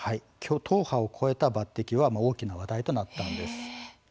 党派を超えた抜てきは大きな話題となったんです。